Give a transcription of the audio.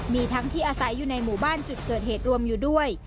มีทั้งที่อาศัยอยู่ในหมู่บ้านจุดเกิดเหตุรวมอยู่ด้วย